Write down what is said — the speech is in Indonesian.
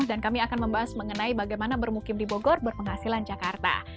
dan kami akan membahas mengenai bagaimana bermukim di bogor berpenghasilan jakarta